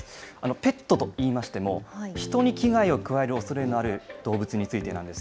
ペットといいましても、人に危害を加えるおそれのある動物についてなんです。